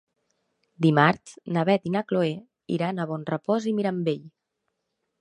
Dimarts na Beth i na Chloé iran a Bonrepòs i Mirambell.